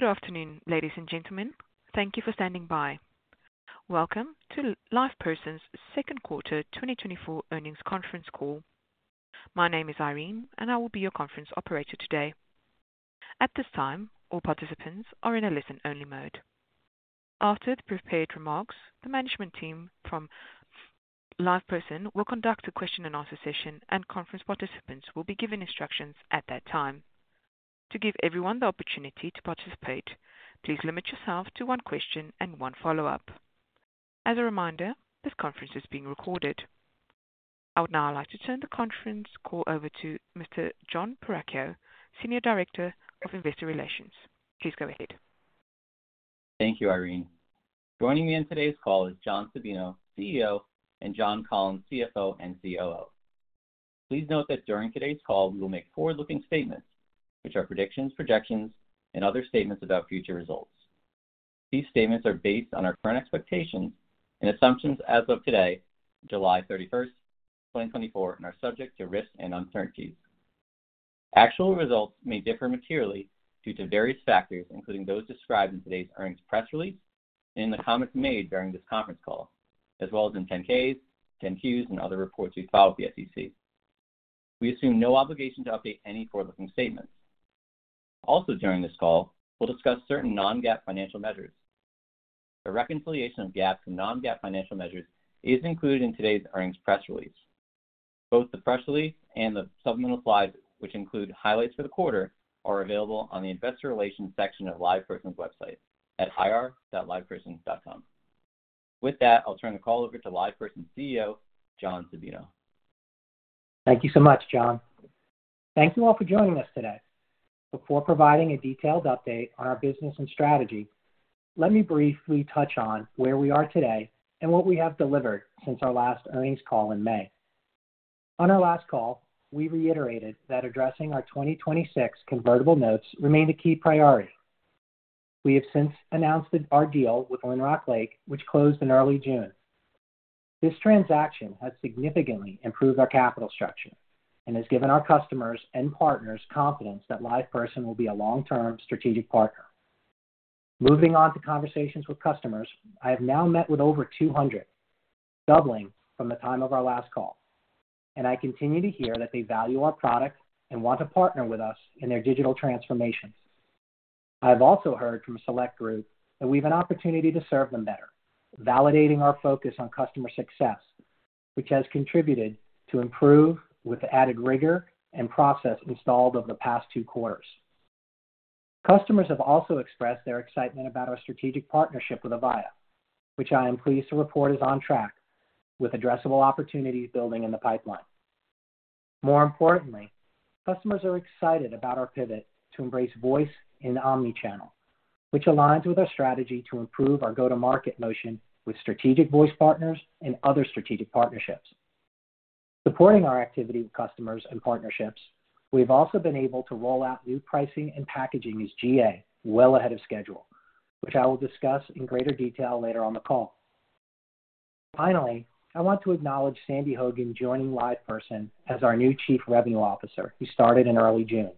Good afternoon, ladies and gentlemen. Thank you for standing by. Welcome to LivePerson's second quarter 2024 earnings conference call. My name is Irene, and I will be your conference operator today. At this time, all participants are in a listen-only mode. After the prepared remarks, the management team from LivePerson will conduct a question and answer session, and conference participants will be given instructions at that time. To give everyone the opportunity to participate, please limit yourself to one question and one follow-up. As a reminder, this conference is being recorded. I would now like to turn the conference call over to Mr. Jon Perachio, Senior Director of Investor Relations. Please go ahead. Thank you, Irene. Joining me on today's call is John Sabino, CEO, and John Collins, CFO and COO. Please note that during today's call, we will make forward-looking statements, which are predictions, projections, and other statements about future results. These statements are based on our current expectations and assumptions as of today, July 31, 2024, and are subject to risks and uncertainties. Actual results may differ materially due to various factors, including those described in today's earnings press release and in the comments made during this conference call, as well as in 10-Ks, 10-Qs, and other reports we file with the SEC. We assume no obligation to update any forward-looking statements. Also, during this call, we'll discuss certain non-GAAP financial measures. A reconciliation of GAAP to non-GAAP financial measures is included in today's earnings press release. Both the press release and the supplemental slides, which include highlights for the quarter, are available on the Investor Relations section of LivePerson's website at ir.liveperson.com. With that, I'll turn the call over to LivePerson's CEO, John Sabino. Thank you so much, Jon. Thank you all for joining us today. Before providing a detailed update on our business and strategy, let me briefly touch on where we are today and what we have delivered since our last earnings call in May. On our last call, we reiterated that addressing our 2026 convertible notes remained a key priority. We have since announced that our deal with Lynrock Lake, which closed in early June. This transaction has significantly improved our capital structure and has given our customers and partners confidence that LivePerson will be a long-term strategic partner. Moving on to conversations with customers, I have now met with over 200, doubling from the time of our last call, and I continue to hear that they value our product and want to partner with us in their digital transformations. I've also heard from a select group that we have an opportunity to serve them better, validating our focus on Customer Success, which has contributed to improve with the added rigor and process installed over the past two quarters. Customers have also expressed their excitement about our strategic partnership with Avaya, which I am pleased to report is on track with addressable opportunities building in the pipeline. More importantly, customers are excited about our pivot to embrace voice in omni-channel, which aligns with our strategy to improve our go-to-market motion with strategic voice partners and other strategic partnerships. Supporting our activity with customers and partnerships, we've also been able to roll out new pricing and packaging as GA, well ahead of schedule, which I will discuss in greater detail later on the call. Finally, I want to acknowledge Sandy Hogan joining LivePerson as our new Chief Revenue Officer, who started in early June.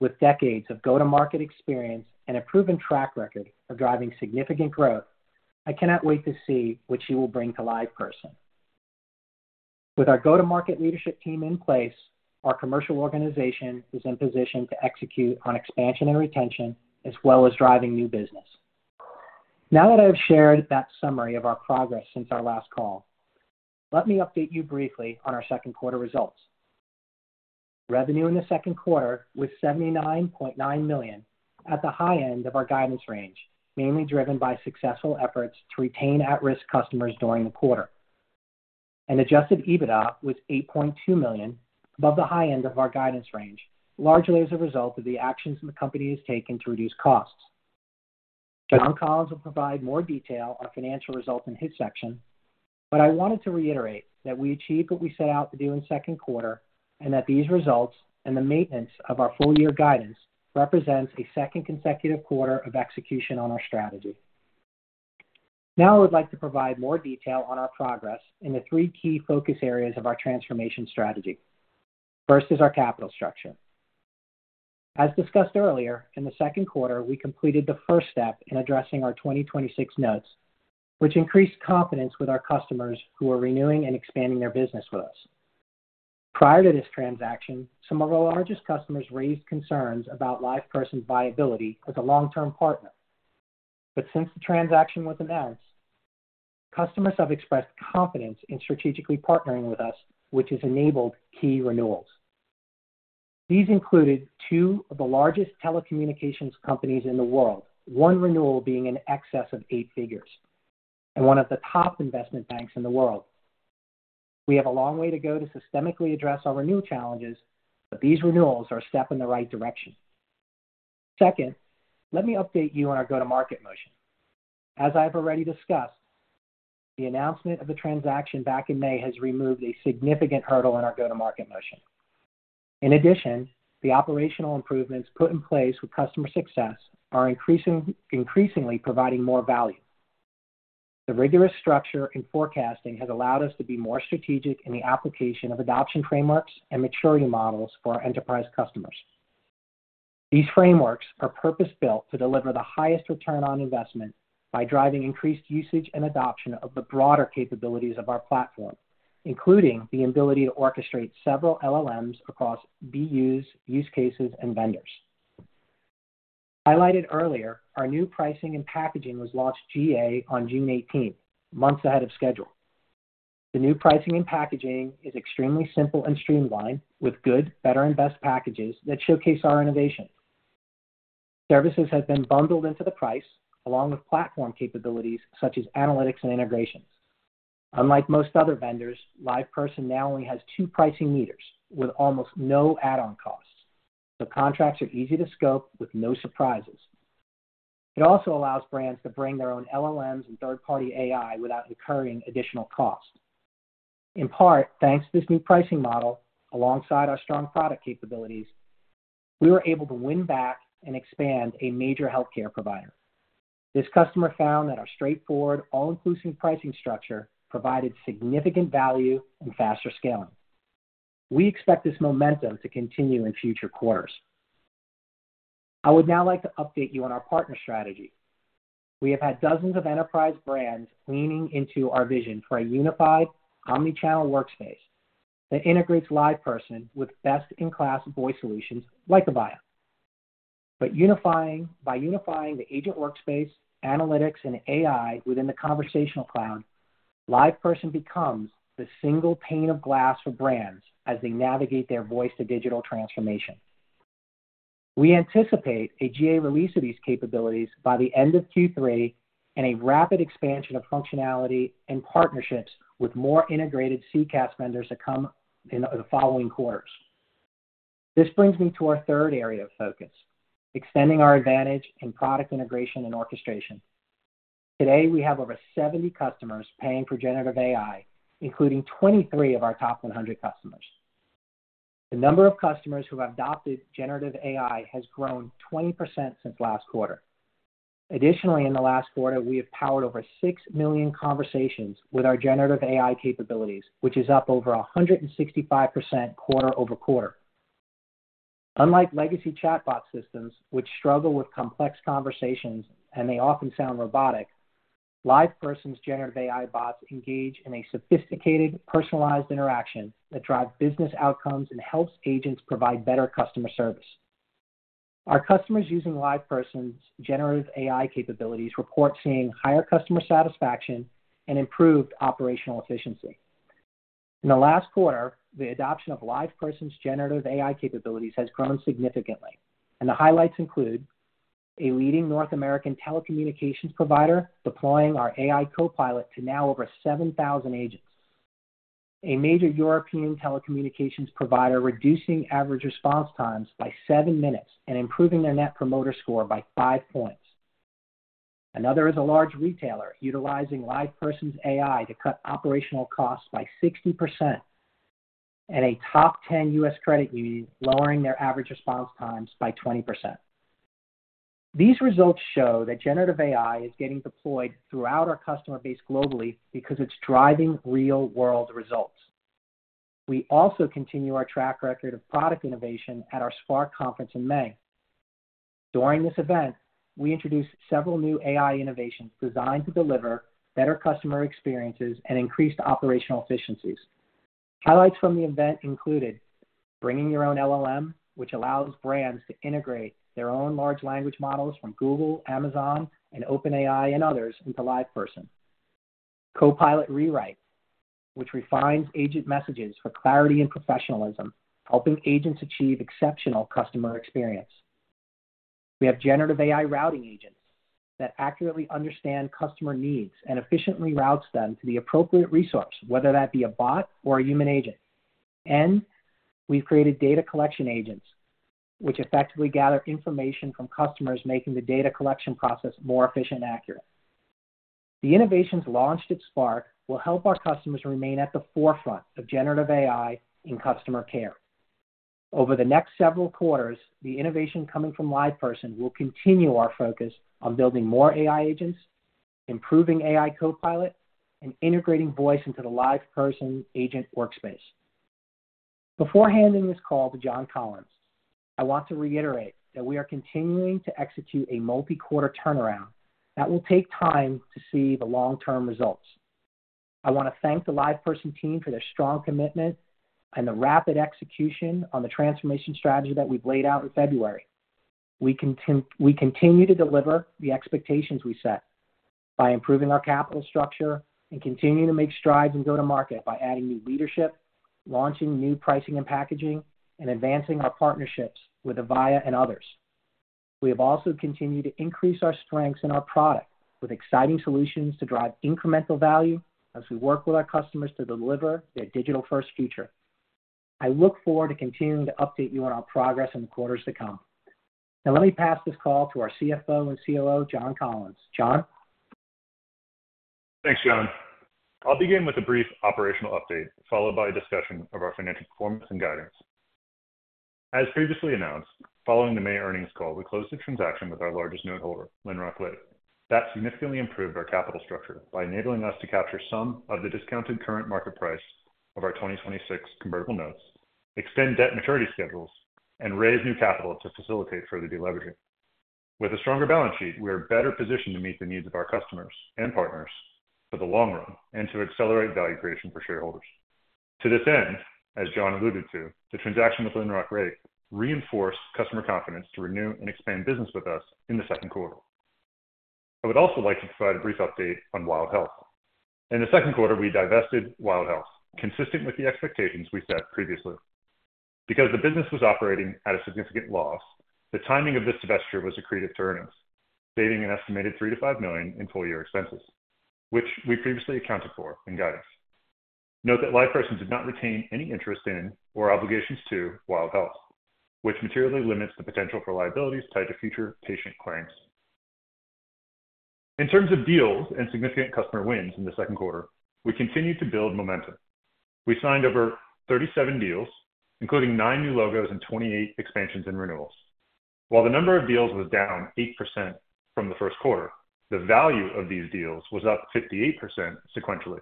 With decades of go-to-market experience and a proven track record of driving significant growth, I cannot wait to see what she will bring to LivePerson. With our go-to-market leadership team in place, our commercial organization is in position to execute on expansion and retention, as well as driving new business. Now that I have shared that summary of our progress since our last call, let me update you briefly on our second quarter results. Revenue in the second quarter was $79.9 million, at the high end of our guidance range, mainly driven by successful efforts to retain at-risk customers during the quarter. Adjusted EBITDA was $8.2 million, above the high end of our guidance range, largely as a result of the actions the company has taken to reduce costs. John Collins will provide more detail on financial results in his section, but I wanted to reiterate that we achieved what we set out to do in the second quarter, and that these results and the maintenance of our full-year guidance represents a second consecutive quarter of execution on our strategy. Now, I would like to provide more detail on our progress in the three key focus areas of our transformation strategy. First is our capital structure. As discussed earlier, in the second quarter, we completed the first step in addressing our 2026 notes, which increased confidence with our customers who are renewing and expanding their business with us. Prior to this transaction, some of our largest customers raised concerns about LivePerson's viability as a long-term partner. But since the transaction was announced, customers have expressed confidence in strategically partnering with us, which has enabled key renewals. These included two of the largest telecommunications companies in the world, one renewal being in excess of eight figures, and one of the top investment banks in the world. We have a long way to go to systematically address our renewal challenges, but these renewals are a step in the right direction. Second, let me update you on our go-to-market motion. As I've already discussed, the announcement of the transaction back in May has removed a significant hurdle in our go-to-market motion. In addition, the operational improvements put in place with Customer Success are increasing, increasingly providing more value.... The rigorous structure in forecasting has allowed us to be more strategic in the application of adoption frameworks and maturity models for our enterprise customers. These frameworks are purpose-built to deliver the highest return on investment by driving increased usage and adoption of the broader capabilities of our platform, including the ability to orchestrate several LLMs across BUs, use cases, and vendors. Highlighted earlier, our new pricing and packaging was launched GA on June 18, months ahead of schedule. The new pricing and packaging is extremely simple and streamlined, with good, better, and best packages that showcase our innovation. Services have been bundled into the price, along with platform capabilities such as analytics and integrations. Unlike most other vendors, LivePerson now only has two pricing meters with almost no add-on costs, so contracts are easy to scope with no surprises. It also allows brands to bring their own LLMs and third-party AI without incurring additional cost. In part, thanks to this new pricing model, alongside our strong product capabilities, we were able to win back and expand a major healthcare provider. This customer found that our straightforward, all-inclusive pricing structure provided significant value and faster scaling. We expect this momentum to continue in future quarters. I would now like to update you on our partner strategy. We have had dozens of enterprise brands leaning into our vision for a unified omni-channel workspace that integrates LivePerson with best-in-class voice solutions like Avaya. But by unifying the Agent Workspace, analytics, and AI within the Conversational Cloud, LivePerson becomes the single pane of glass for brands as they navigate their Voice-to-Digital transformation. We anticipate a GA release of these capabilities by the end of Q3 and a rapid expansion of functionality and partnerships with more integrated CCaaS vendors to come in the following quarters. This brings me to our third area of focus, extending our advantage in product integration and orchestration. Today, we have over 70 customers paying for generative AI, including 23 of our top 100 customers. The number of customers who have adopted generative AI has grown 20% since last quarter. Additionally, in the last quarter, we have powered over 6 million conversations with our generative AI capabilities, which is up over 165% quarter-over-quarter. Unlike legacy chatbot systems, which struggle with complex conversations and they often sound robotic, LivePerson's generative AI bots engage in a sophisticated, personalized interaction that drive business outcomes and helps agents provide better customer service. Our customers using LivePerson's generative AI capabilities report seeing higher customer satisfaction and improved operational efficiency. In the last quarter, the adoption of LivePerson's generative AI capabilities has grown significantly, and the highlights include a leading North American telecommunications provider deploying our AI Copilot to now over 7,000 agents, a major European telecommunications provider reducing average response times by 7 minutes and improving their Net Promoter Score by 5 points. Another is a large retailer utilizing LivePerson's AI to cut operational costs by 60%, and a top 10 U.S. credit union lowering their average response times by 20%. These results show that generative AI is getting deployed throughout our customer base globally because it's driving real-world results. We also continue our track record of product innovation at our Spark Conference in May. During this event, we introduced several new AI innovations designed to deliver better customer experiences and increased operational efficiencies. Highlights from the event included Bring Your Own LLM, which allows brands to integrate their own large language models from Google, Amazon, and OpenAI and others into LivePerson. Copilot Rewrite, which refines agent messages for clarity and professionalism, helping agents achieve exceptional customer experience. We have generative AI routing agents that accurately understand customer needs and efficiently routes them to the appropriate resource, whether that be a bot or a human agent. And we've created data collection agents, which effectively gather information from customers, making the data collection process more efficient and accurate. The innovations launched at Spark will help our customers remain at the forefront of generative AI in customer care. Over the next several quarters, the innovation coming from LivePerson will continue our focus on building more AI agents, improving AI Copilot, and integrating voice into the LivePerson Agent Workspace. Before handing this call to John Collins, I want to reiterate that we are continuing to execute a multi-quarter turnaround that will take time to see the long-term results. I want to thank the LivePerson team for their strong commitment and the rapid execution on the transformation strategy that we've laid out in February. We continue to deliver the expectations we set by improving our capital structure and continuing to make strides and go to market by adding new leadership, launching new pricing and packaging, and advancing our partnerships with Avaya and others. We have also continued to increase our strengths in our product with exciting solutions to drive incremental value as we work with our customers to deliver their digital-first future. I look forward to continuing to update you on our progress in the quarters to come. Now let me pass this call to our CFO and COO, John Collins. John? Thanks, John. I'll begin with a brief operational update, followed by a discussion of our financial performance and guidance. As previously announced, following the May earnings call, we closed the transaction with our largest noteholder, Lynrock Lake. That significantly improved our capital structure by enabling us to capture some of the discounted current market price of our 2026 convertible notes, extend debt maturity schedules, and raise new capital to facilitate further deleveraging. With a stronger balance sheet, we are better positioned to meet the needs of our customers and partners for the long run and to accelerate value creation for shareholders. To this end, as John alluded to, the transaction with Lynrock Lake reinforced customer confidence to renew and expand business with us in the second quarter. I would also like to provide a brief update on Wild Health. In the second quarter, we divested Wild Health, consistent with the expectations we set previously. Because the business was operating at a significant loss, the timing of this divestiture was accretive to earnings, saving an estimated $3 million-$5 million in full-year expenses, which we previously accounted for in guidance. Note that LivePerson did not retain any interest in or obligations to Wild Health, which materially limits the potential for liabilities tied to future patient claims. In terms of deals and significant customer wins in the second quarter, we continued to build momentum. We signed over 37 deals, including nine new logos and 28 expansions and renewals. While the number of deals was down 8% from the first quarter, the value of these deals was up 58% sequentially.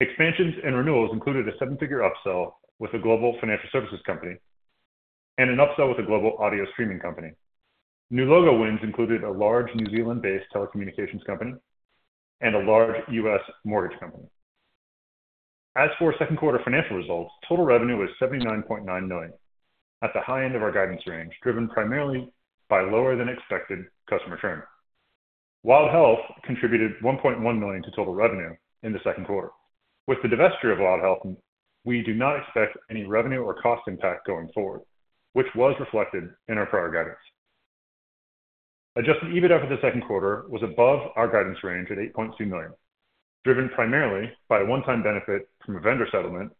Expansions and renewals included a seven-figure upsell with a global financial services company and an upsell with a global audio streaming company. New logo wins included a large New Zealand-based telecommunications company and a large U.S. mortgage company. As for second quarter financial results, total revenue was $79.9 million, at the high end of our guidance range, driven primarily by lower-than-expected customer churn. Wild Health contributed $1.1 million to total revenue in the second quarter. With the divestiture of Wild Health, we do not expect any revenue or cost impact going forward, which was reflected in our prior guidance. Adjusted EBITDA for the second quarter was above our guidance range at $8.2 million, driven primarily by a one-time benefit from a vendor settlement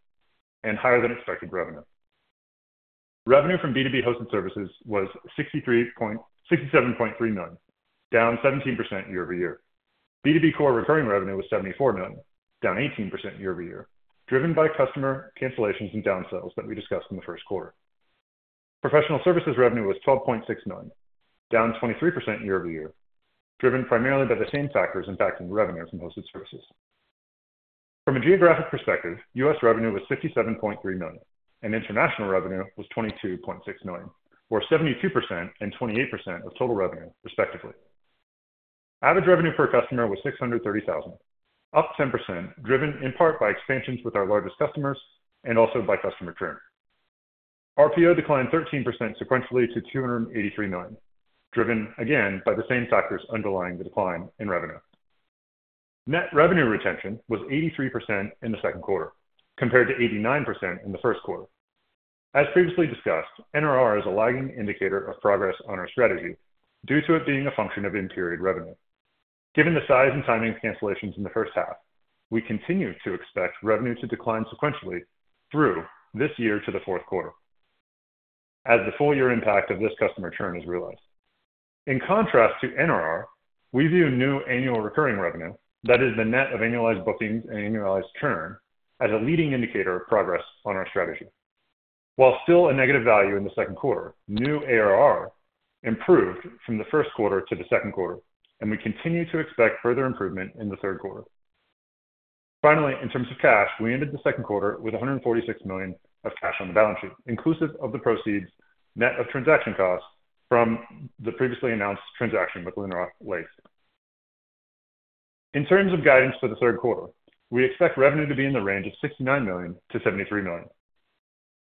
and higher-than-expected revenue. Revenue from B2B hosted services was $67.3 million, down 17% year-over-year. B2B core recurring revenue was $74 million, down 18% year-over-year, driven by customer cancellations and downsells that we discussed in the first quarter. Professional services revenue was $12.6 million, down 23% year-over-year, driven primarily by the same factors impacting revenue from hosted services. From a geographic perspective, U.S. revenue was $67.3 million, and international revenue was $22.6 million, or 72% and 28% of total revenue, respectively. Average revenue per customer was $630,000, up 10%, driven in part by expansions with our largest customers and also by customer churn. RPO declined 13% sequentially to $283 million, driven again by the same factors underlying the decline in revenue. Net revenue retention was 83% in the second quarter, compared to 89% in the first quarter. As previously discussed, NRR is a lagging indicator of progress on our strategy due to it being a function of in-period revenue. Given the size and timing of cancellations in the first half, we continue to expect revenue to decline sequentially through this year to the fourth quarter, as the full year impact of this customer churn is realized. In contrast to NRR, we view new annual recurring revenue, that is the net of annualized bookings and annualized churn, as a leading indicator of progress on our strategy. While still a negative value in the second quarter, new ARR improved from the first quarter to the second quarter, and we continue to expect further improvement in the third quarter. Finally, in terms of cash, we ended the second quarter with $146 million of cash on the balance sheet, inclusive of the proceeds net of transaction costs from the previously announced transaction with Lynrock Lake. In terms of guidance for the third quarter, we expect revenue to be in the range of $69 million-$73 million.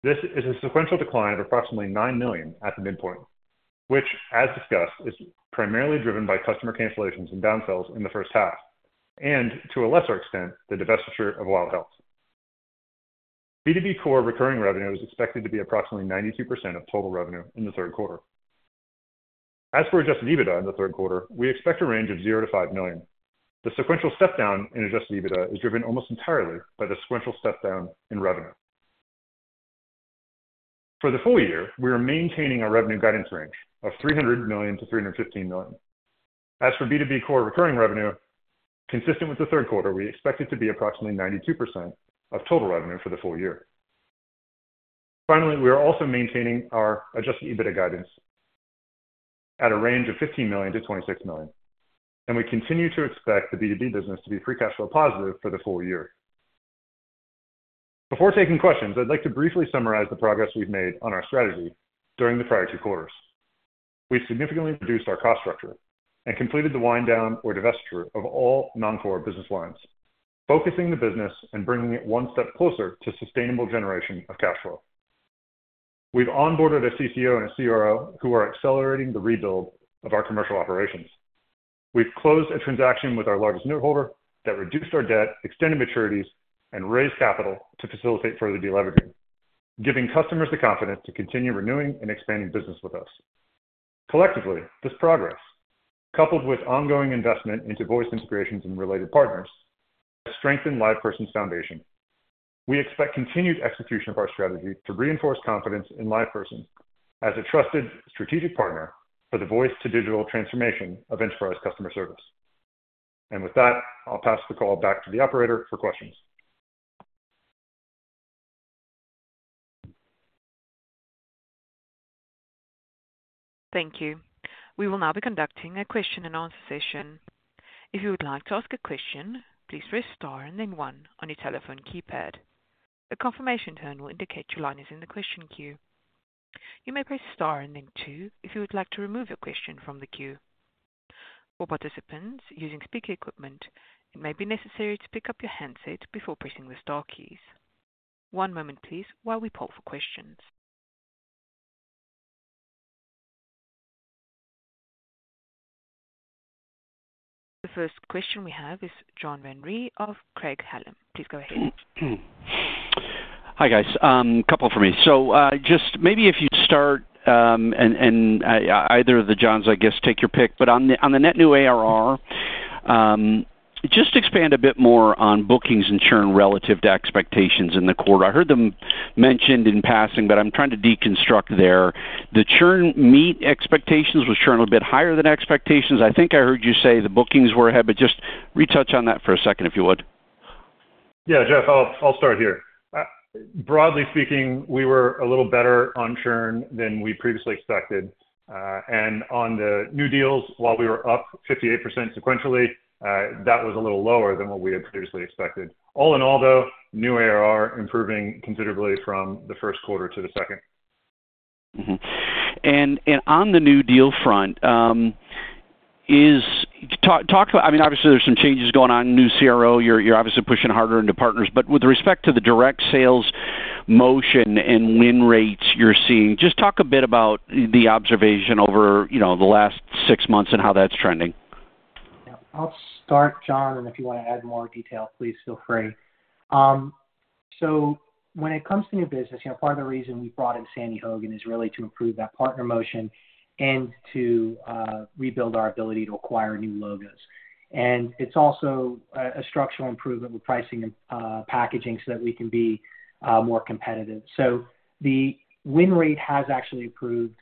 This is a sequential decline of approximately $9 million at the midpoint, which, as discussed, is primarily driven by customer cancellations and downsells in the first half, and to a lesser extent, the divestiture of Wild Health. B2B core recurring revenue is expected to be approximately 92% of total revenue in the third quarter. As for adjusted EBITDA in the third quarter, we expect a range of $0-$5 million. The sequential step down in adjusted EBITDA is driven almost entirely by the sequential step down in revenue. For the full year, we are maintaining our revenue guidance range of $300 million-$315 million. As for B2B core recurring revenue, consistent with the third quarter, we expect it to be approximately 92% of total revenue for the full year. Finally, we are also maintaining our adjusted EBITDA guidance at a range of $15 million-$26 million, and we continue to expect the B2B business to be free cash flow positive for the full year. Before taking questions, I'd like to briefly summarize the progress we've made on our strategy during the prior 2 quarters. We've significantly reduced our cost structure and completed the wind down or divestiture of all non-core business lines, focusing the business and bringing it one step closer to sustainable generation of cash flow. We've onboarded a CCO and a CRO who are accelerating the rebuild of our commercial operations. We've closed a transaction with our largest noteholder that reduced our debt, extended maturities, and raised capital to facilitate further deleveraging, giving customers the confidence to continue renewing and expanding business with us. Collectively, this progress, coupled with ongoing investment into voice integrations and related partners, has strengthened LivePerson's foundation. We expect continued execution of our strategy to reinforce confidence in LivePerson as a trusted strategic partner for the Voice-to-Digital transformation of enterprise customer service.... And with that, I'll pass the call back to the operator for questions. Thank you. We will now be conducting a question and answer session. If you would like to ask a question, please press star and then one on your telephone keypad. A confirmation tone will indicate your line is in the question queue. You may press star and then two if you would like to remove your question from the queue. For participants using speaker equipment, it may be necessary to pick up your handset before pressing the star keys. One moment, please, while we poll for questions. The first question we have is Jeff Van Rhee of Craig-Hallum. Please go ahead. Hi, guys. Couple for me. So, just maybe if you'd start, and, and, either of the Johns, I guess, take your pick. But on the, on the net new ARR, just expand a bit more on bookings and churn relative to expectations in the quarter. I heard them mentioned in passing, but I'm trying to deconstruct there. The churn meet expectations, was churn a bit higher than expectations? I think I heard you say the bookings were ahead, but just retouch on that for a second, if you would. Yeah, Jeff, I'll, I'll start here. Broadly speaking, we were a little better on churn than we previously expected. And on the new deals, while we were up 58% sequentially, that was a little lower than what we had previously expected. All in all, though, new ARR improving considerably from the first quarter to the second. Mm-hmm. And on the new deal front, talk about... I mean, obviously, there's some changes going on, new CRO. You're obviously pushing harder into partners. But with respect to the direct sales motion and win rates you're seeing, just talk a bit about the observation over, you know, the last six months and how that's trending. Yeah. I'll start, John, and if you wanna add more detail, please feel free. So when it comes to new business, you know, part of the reason we brought in Sandy Hogan is really to improve that partner motion and to rebuild our ability to acquire new logos. And it's also a structural improvement with pricing and packaging so that we can be more competitive. So the win rate has actually improved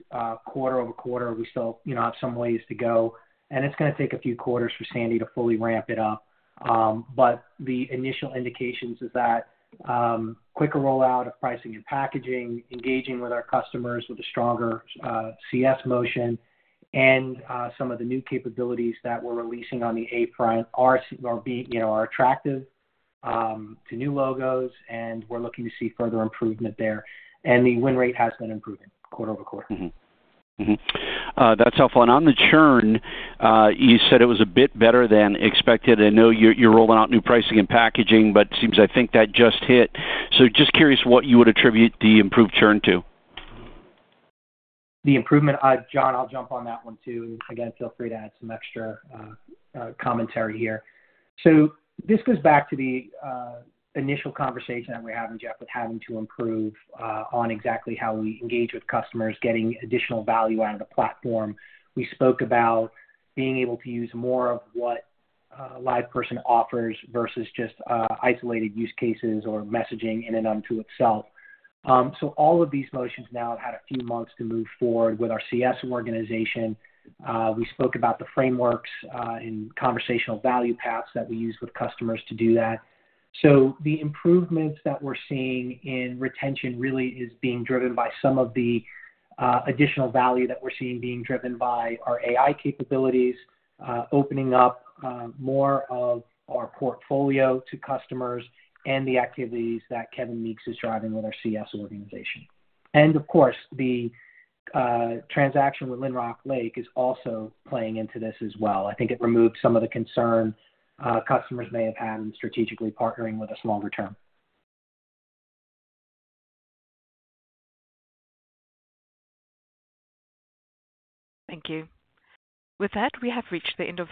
quarter-over-quarter. We still, you know, have some ways to go, and it's gonna take a few quarters for Sandy to fully ramp it up. But the initial indications is that quicker rollout of pricing and packaging, engaging with our customers with a stronger CS motion, and some of the new capabilities that we're releasing on the platform are being, you know, attractive to new logos, and we're looking to see further improvement there. The win rate has been improving quarter-over-quarter. Mm-hmm. Mm-hmm. That's helpful. And on the churn, you said it was a bit better than expected. I know you're rolling out new pricing and packaging, but it seems I think that just hit. So just curious what you would attribute the improved churn to. The improvement, John, I'll jump on that one, too. Again, feel free to add some extra, commentary here. So this goes back to the, initial conversation that we were having, Jeff, with having to improve, on exactly how we engage with customers, getting additional value out of the platform. We spoke about being able to use more of what a LivePerson offers versus just, isolated use cases or messaging in and unto itself. So all of these motions now have had a few months to move forward with our CS organization. We spoke about the frameworks, and conversational value paths that we use with customers to do that. So the improvements that we're seeing in retention really is being driven by some of the additional value that we're seeing being driven by our AI capabilities, opening up more of our portfolio to customers and the activities that Kevin Meeks is driving with our CS organization. And of course, the transaction with Lynrock Lake is also playing into this as well. I think it removes some of the concern customers may have had in strategically partnering with us longer term. Thank you. With that, we have reached the end of the question.